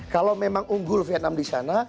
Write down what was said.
kalau memang unggul vietnam di sana